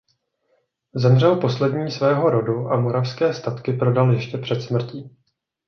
Zemřel poslední svého rodu a moravské statky prodal ještě před smrtí.